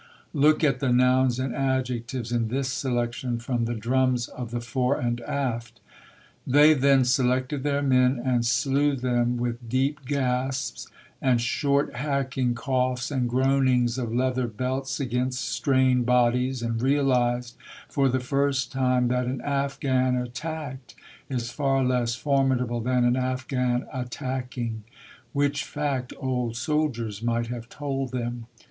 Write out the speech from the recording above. Look at the nouns and adjectives in this selection from The Drums of the Fore and Aft: "They then selected their men, and slew them with deep gasps and short hacking coughs, and groanings of leather belts against strained bodies, and realised for the first time that an Afghan attacked is far less formidable than an Afghan attacking; which fact old soldiers might have told them.